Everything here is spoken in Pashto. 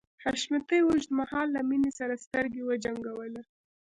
حشمتي اوږد مهال له مينې سره سترګې وجنګولې.